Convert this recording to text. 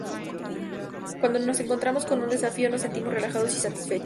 Cuando nos encontramos con un desafío, nos sentimos relajados y satisfechos.